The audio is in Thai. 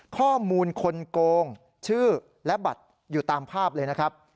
ข้อมูลคนโกงชื่อและบัตรอยู่ตามภาพเลยนะครับ